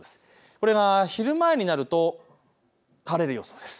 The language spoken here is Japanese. これが昼前になると晴れる予想です。